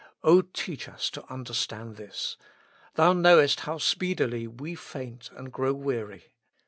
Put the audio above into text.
O teach us to understand this. Thou knowest how speedily we grow faint and weary.